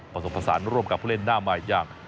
ผสมผสานร่วมกับผู้เล่นหน้าใหม่อย่าง